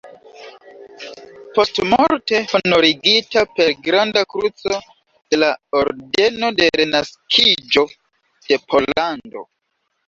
Postmorte honorigita per Granda Kruco de la Ordeno de Renaskiĝo de Pollando.